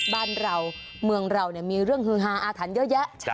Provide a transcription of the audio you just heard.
บ้านเรามึงเราเนี่ยมีเรื่องเฮือฮาอาธรรณเยอะเยอะใช่